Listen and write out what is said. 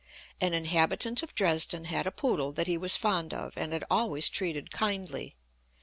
An inhabitant of Dresden had a poodle that he was fond of, and had always treated kindly.